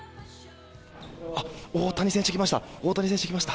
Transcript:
大谷選手、来ました。